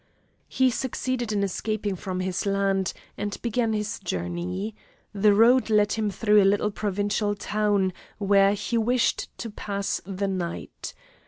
He succeeded in escaping from his land, and began his journey. The road led him through a little provincial town, where he wished to pass the night.